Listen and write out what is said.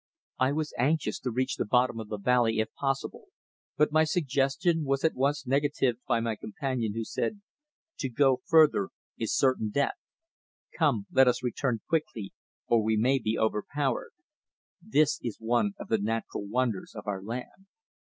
I was anxious to reach the bottom of the valley, if possible, but my suggestion was at once negatived by my companion, who said: "To go further is certain death. Come, let us return quickly, or we may be overpowered. This is one of the natural wonders of our land."